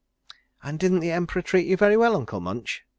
"And didn't the Emperor treat you well, Uncle Munch?"